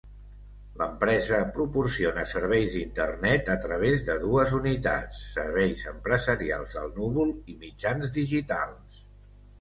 L'empresa proporciona serveis d'internet a través de dues unitats: Serveis Empresarials al Núvol i Mitjans Digitals.